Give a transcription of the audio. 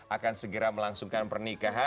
akan segera melangsungkan pernikahan